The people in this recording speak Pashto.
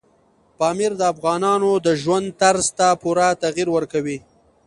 پامیر د افغانانو د ژوند طرز ته پوره تغیر ورکوي.